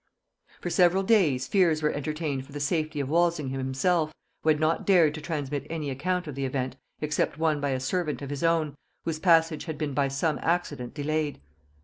For several days fears were entertained for the safety of Walsingham himself, who had not dared to transmit any account of the event except one by a servant of his own, whose passage had been by some accident delayed.